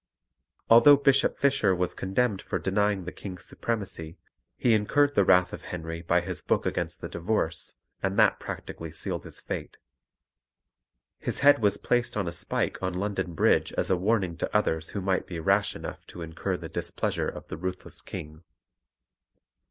Although Bishop Fisher was condemned for denying the King's supremacy, he incurred the wrath of Henry by his book against the divorce, and that practically sealed his fate. His head was placed on a spike on London Bridge as a warning to others who might be rash enough to incur the displeasure of the ruthless King.